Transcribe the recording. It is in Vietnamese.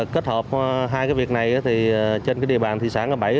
kết hợp hai việc này trên địa bàn thị xã ngã bảy